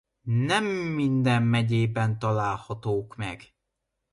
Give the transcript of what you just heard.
Nem minden megyében találhatók meg.